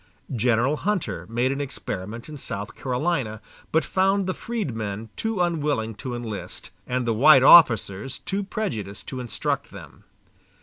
General Hunter made an experiment in South Carolina, but found the freedmen too unwilling to enlist, and the white officers too prejudiced to instruct them.